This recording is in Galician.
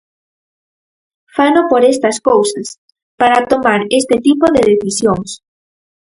Fano por estas cousas, para tomar este tipo de decisións.